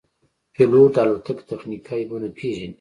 پیلوټ د الوتکې تخنیکي عیبونه پېژني.